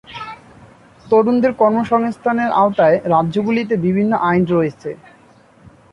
তরুণদের কর্মসংস্থানের আওতায় রাজ্যগুলিতে বিভিন্ন আইন রয়েছে।